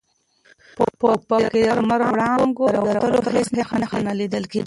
په افق کې د لمر وړانګو د راوتلو هېڅ نښه نه لیدل کېده.